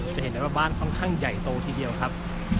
จะเห็นได้ว่าบ้านค่อนข้างใหญ่โตทีเดียวครับ